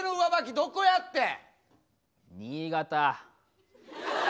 どこやってん！